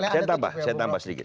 satu lagi saya tambah sedikit